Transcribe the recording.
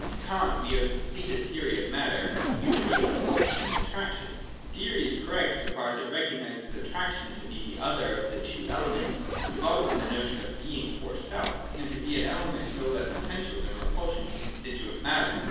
To Kant we owe the completed theory of matter as the unity of repulsion and attraction. The theory is correct, so far as it recognises attraction to be the other of the two elements involved in the notion of Being for self: and to be an element no less essential than repulsion to constitute matter.